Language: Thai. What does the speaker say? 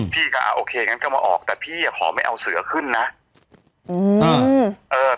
พี่ก็อ่าโอเคงั้นก็มาออกแต่พี่อ่ะขอไม่เอาเสือขึ้นนะอืมเออ